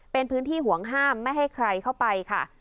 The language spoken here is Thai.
เป็นพื้นที่ห่วงห้ามไม่ให้ใครเข้าไปค่ะ